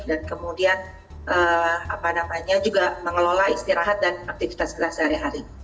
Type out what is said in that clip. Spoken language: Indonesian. dan kemudian apa namanya juga mengelola istirahat dan aktivitas kita sehari hari